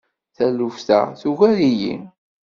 Taluft-a tugar-iyi.